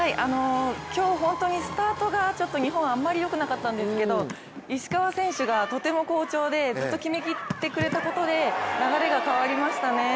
今日本当にスタートが日本はあまりよくなかったんですけれども、石川選手がとても好調でずっと決めきってくれたことで流れが変わりましたね。